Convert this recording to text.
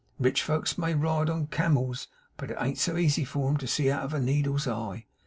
Rich folks may ride on camels, but it an't so easy for 'em to see out of a needle's eye.